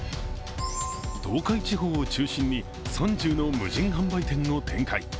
東海地方を中心に３０の無人販売店を展開